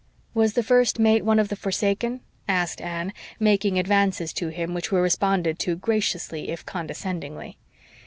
"Was the First Mate one of the forsaken?" asked Anne, making advances to him which were responded to graciously, if condescendingly.